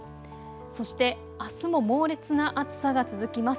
そしてあすも猛烈な暑さが続きます。